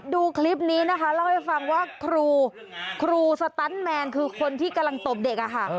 ดูคลิปนี้นะคะเล่าให้ฟังว่าครูครูสตันแมนคือคนที่กำลังตบเด็กอะค่ะ